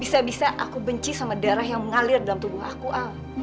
bisa bisa aku benci sama darah yang mengalir dalam tubuh aku